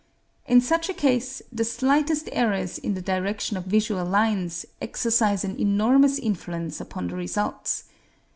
In such a case, the slightest errors in the direction of visual lines exercise an enormous influence upon the results.